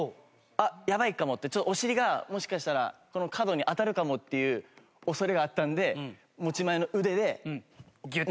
「あっやばいかも」ってお尻がもしかしたらこの角に当たるかもっていう恐れがあったので持ち前の腕でなんとか逃げました。